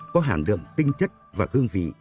có hạng đường tinh chất và hương vị